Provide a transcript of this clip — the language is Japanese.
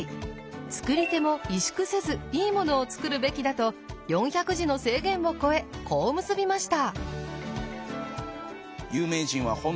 作り手も萎縮せずいいものを作るべきだと４００字の制限を超えこう結びました。